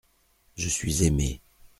Je suis aimé.